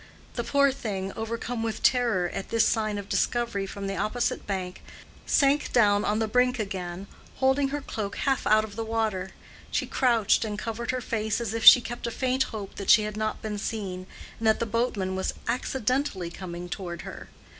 The poor thing, overcome with terror at this sign of discovery from the opposite bank, sank down on the brink again, holding her cloak half out of the water. She crouched and covered her face as if she kept a faint hope that she had not been seen, and that the boatman was accidentally coming toward her.